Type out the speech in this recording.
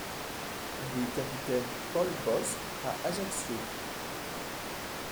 Rue Capitaine Paul Bosc à Ajaccio